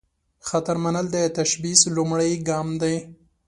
خطر منل، د تشبث لومړۍ ګام دی.